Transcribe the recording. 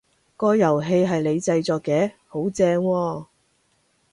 個遊戲係你製作嘅？好正喎！